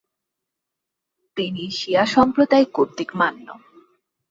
তিনি শিয়া সম্প্রদায় কর্তৃক মান্য।